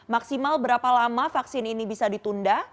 maksimal berapa lama vaksin ini bisa ditunda